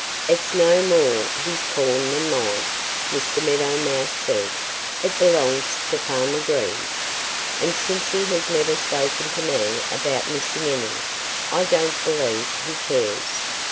"It's no more his corn than mine," Mr. Meadow Mouse said. "It belongs to Farmer Green. And since he has never spoken to me about missing any, I don't believe he cares.